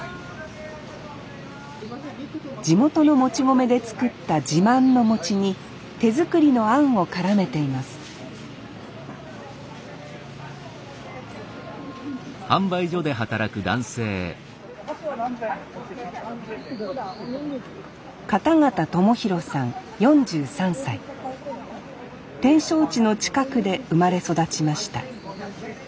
地元のもち米で作った自慢の餅に手作りのあんを絡めています展勝地の近くで生まれ育ちました。